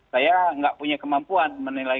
saya nggak punya kemampuan menilai